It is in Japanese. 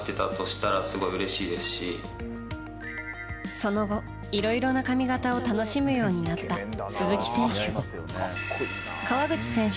その後、いろいろな髪形を楽しむようになった鈴木選手。